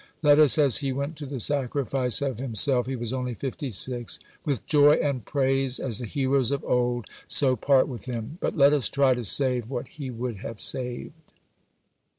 Let us, as he went to the sacrifice of himself (he was only 56) with joy and praise as the heroes of old so part with him. But let us try to save what he would have saved....